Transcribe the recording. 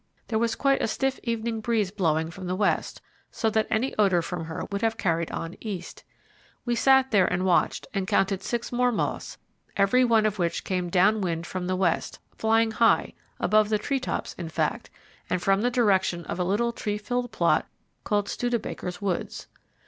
There was quite a stiff evening breeze blowing from the west, so that any odour from her would have been carried on east. We sat there and watched and counted six more moths, every one of which came down wind from the west, flying high, above the treetops in fact, and from the direction of a little tree filled plot called Studabaker's woods.